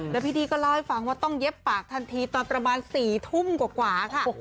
แล้วพี่ดี้ก็เล่าให้ฟังว่าต้องเย็บปากทันทีตอนประมาณ๔ทุ่มกว่าค่ะ